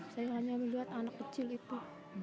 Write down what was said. saya hanya melihat anak kecil itu